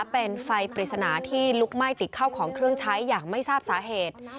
เป็นไฟปริศนาที่ลุกไหม้ติดเข้าของเครื่องใช้อย่างไม่ทราบสาเหตุ